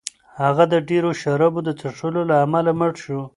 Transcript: هغه د ډېرو شرابو د څښلو له امله مړ شو.